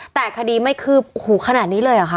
แต่คดีไม่คืบหูขนาดนี้เลยเหรอคะ